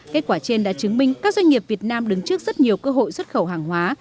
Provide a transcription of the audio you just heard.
kết quả trên đã chứng minh các doanh nghiệp việt nam đứng trước rất nhiều cơ hội xuất khẩu hàng hóa